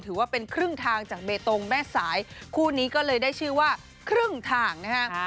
ถือว่าเป็นครึ่งทางจากเบตงแม่สายคู่นี้ก็เลยได้ชื่อว่าครึ่งทางนะฮะ